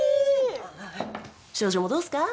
所長もどうっすか？